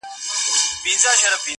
دواړي تلي مي سوځیږي په غرمو ولاړه یمه!